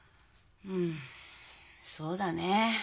うんそうだね。